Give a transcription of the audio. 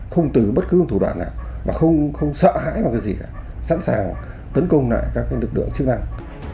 không từ bất cứ thủ đoạn nào mà không sợ hãi vào cái gì cả sẵn sàng tấn công lại các lực lượng chức năng